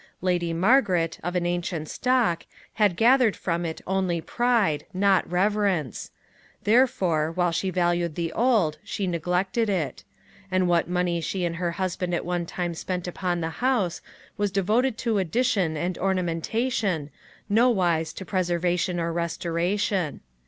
Lady Margaret, of an ancient stock, had gathered from it only pride, not reverence; therefore, while she valued the old, she neglected it; and what money she and her husband at one time spent upon the house, was devoted to addition and ornamentation, nowise to preservation or restoration.